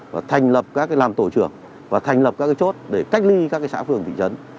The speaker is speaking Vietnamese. và thành lập các làm tổ trưởng và thành lập các chốt để cách ly các xã phường thị trấn